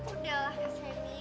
udah lah kak semi